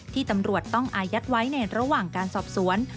ตำรวจต้องอายัดไว้ในระหว่างการสอบสวน